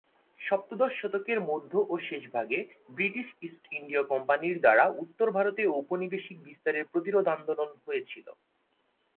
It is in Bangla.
সপ্তদশ শতকের মধ্য ও শেষ ভাগে ব্রিটিশ ইস্ট ইন্ডিয়া কোম্পানির দ্বারা উত্তর ভারতে ঔপনিবেশিক বিস্তারের প্রতিরোধ আন্দোলন হয়েছিল।